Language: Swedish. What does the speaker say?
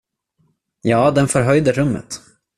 Ja, den förhöjde rummet.